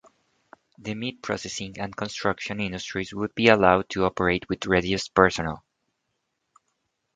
The meat processing and construction industries would be allowed to operate with reduced personnel.